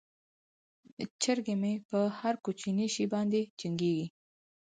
چرګې مې په هر کوچني شي باندې جنګیږي.